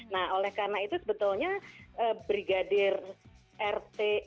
nah oleh karena itu sebetulnya brigadir rt